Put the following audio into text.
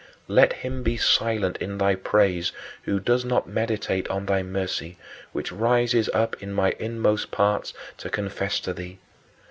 Let him be silent in thy praise who does not meditate on thy mercy, which rises up in my inmost parts to confess to thee.